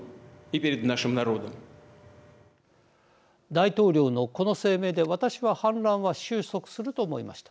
大統領のこの声明で私は反乱は収束すると思いました。